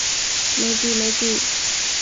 咪住咪住！